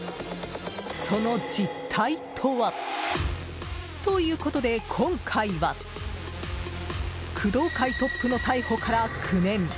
その実態とは。ということで、今回は工藤会トップの逮捕から９年。